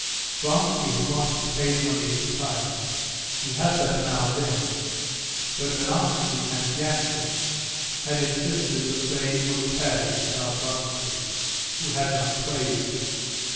Vronsky had wanted to pay the money at the time (he had that amount then), but Venovsky and Yashvin had insisted that they would pay and not Vronsky, who had not played.